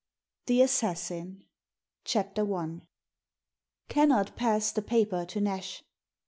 THE ASSASSIN CHAPTER I. KENNARD passed the paper to Nash.